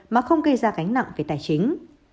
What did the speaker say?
mà không gây ra gánh nặng về tài chính